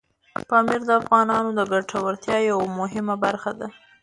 پامیر د افغانانو د ګټورتیا یوه مهمه برخه ده.